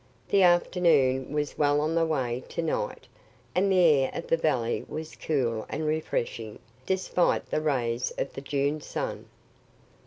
The afternoon was well on the way to night, and the air of the valley was cool and refreshing, despite the rays of the June sun.